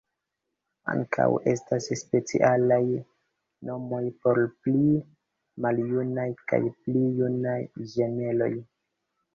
Ankaŭ estas specialaj nomoj por pli maljunaj kaj pli junaj ĝemeloj.